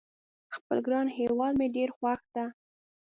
خپل ګران هیواد مې ډېر خوښ ده